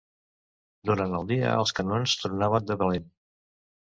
Durant el dia, els canons tronaven de valent.